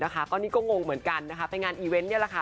คนนี้ก็งงเหมือนกันนะเป็นงานอีเว้นต์เนี่ยแล้วค่ะ